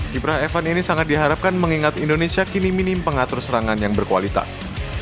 kiprah evan ini sangat diharapkan mengingat indonesia kini minim pengatur serangan yang berkualitas